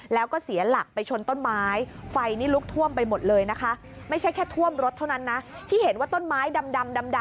แล้วก็เสียหลักไปชนต้นไม้ไฟนี่ลุกท่วมไปหมดเลยนะคะไม่ใช่แค่ท่วมรถเท่านั้นนะที่เห็นว่าต้นไม้ดำดำ